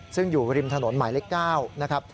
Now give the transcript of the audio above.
ซึ่งอยู่ริมถนนหมายเล็ก๙